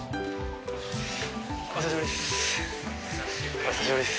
お久しぶりです。